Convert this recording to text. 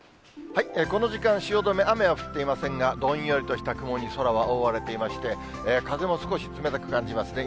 この時間、汐留、雨は降っていませんが、どんよりとした雲に空は覆われていまして、風も少し冷たく感じますね。